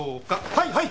はいはい！